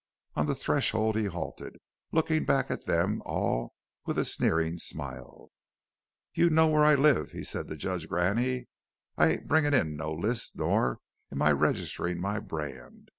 On the threshold he halted, looking back at them all with a sneering smile. "You know where I live," he said to Judge Graney. "I ain't bringing in no list nor I ain't registering my brand.